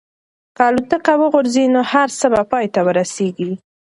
که الوتکه وغورځي نو هر څه به پای ته ورسېږي.